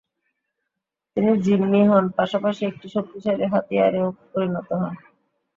তিনি জিম্মি হন, পাশাপাশি একটি শক্তিশালী হাতিয়ারেও পরিণত হন।